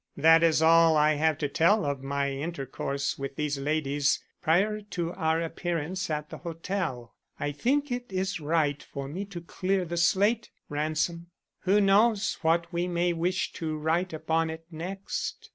That is all I have to tell of my intercourse with these ladies prior to our appearance at the hotel. I think it right for me to clear the slate, Ransom. Who knows what we may wish to write upon it next?"